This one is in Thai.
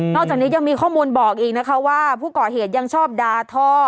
จากนี้ยังมีข้อมูลบอกอีกนะคะว่าผู้ก่อเหตุยังชอบดาท่อ